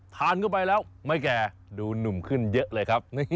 ทานเข้าไปแล้วไม่แก่ดูหนุ่มขึ้นเยอะเลยครับ